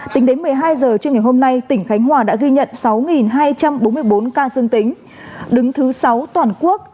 tính đến một mươi hai h trưa ngày hôm nay tỉnh khánh hòa đã ghi nhận sáu hai trăm bốn mươi bốn ca dương tính đứng thứ sáu toàn quốc